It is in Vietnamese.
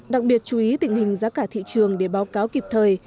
đặc biệt chú ý tình hình giá cả thị trường để báo cáo kịp thời